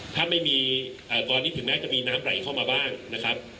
ถ้าไม่มีตอนนี้ถึงแม้จะมีน้ำไหลเข้ามาบ้างนะครับ